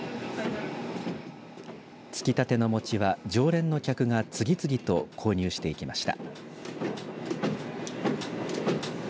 つきたての餅は常連の客が次々と購入していきました。